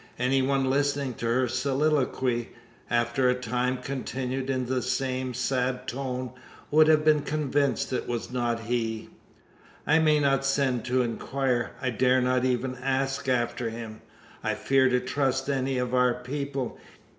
Any one listening to her soliloquy after a time continued in the same sad tone would have been convinced it was not he. "I may not send to inquire. I dare not even ask after him. I fear to trust any of our people.